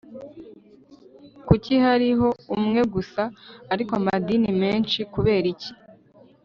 kuki hariho umwe gusa ariko amadini menshi? (kubera iki?